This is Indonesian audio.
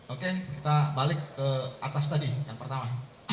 oke kita balik ke atas tadi yang pertama